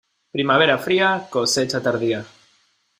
Primavera fría, cosecha tardía.